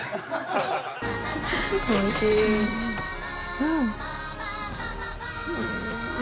うん。